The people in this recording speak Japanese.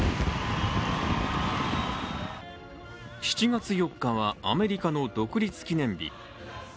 ７月４日は、アメリカの独立記念日。